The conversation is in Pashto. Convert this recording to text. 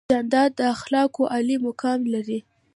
جانداد د اخلاقو عالي مقام لري.